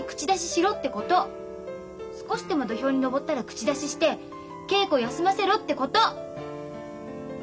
少しでも土俵に上ったら口出しして稽古休ませろってこと！